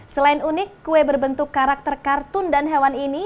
selain unik kue berbentuk karakter kartun dan hewan ini